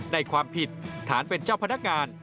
ในความผิดฐานเป็นเจ้าพนักงาน